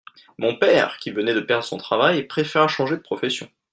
Mon père, qui venait de perdre son travail, préféra changer de profession.